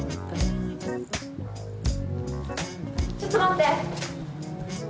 ちょっと待って！